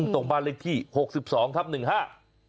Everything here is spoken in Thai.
ตรงบ้านเล็กที่๖๒ทับ๑ฮะ